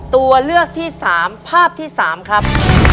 ตัวเลือกที่๓ภาพที่๓ครับ